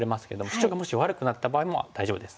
シチョウがもし悪くなった場合も大丈夫です。